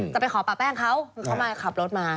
จะไปขอปะแป้งเขามาขับรถมา